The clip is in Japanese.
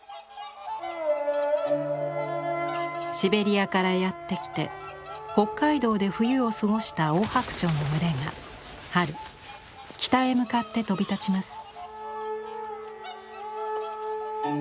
シベリアからやってきて北海道で冬を過ごしたオオハクチョウの群れが春北へ向かって飛び立ちます。